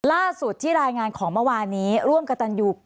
ล่าสุดที่รายงานของเมื่อวานนี้ร่วมกับตันยู